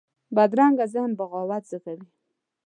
بدرنګه ذهن بغاوت زېږوي